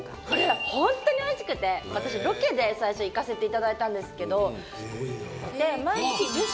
これホントにおいしくて私ロケで最初行かせていただいたんですけど。